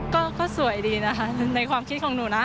ก็สวยดีนะคะในความคิดของหนูนะ